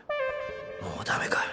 もうダメか。